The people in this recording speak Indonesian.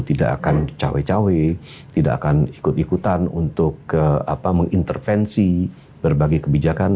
tidak akan ikut ikutan untuk mengintervensi berbagai kebijakan